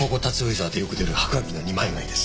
沢でよく出る白亜紀の二枚貝です。